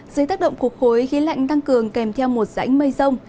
dưới tác động cuộc hối khí lạnh tăng cường kèm theo một rãnh mây rông